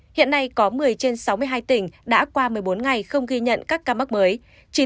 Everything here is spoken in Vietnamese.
hiện nay có một mươi trên sáu mươi hai tỉnh đã qua một mươi bốn ngày không ghi nhận các ca mắc mới